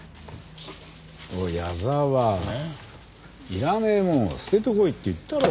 いらねえもんは捨ててこいって言ったろ。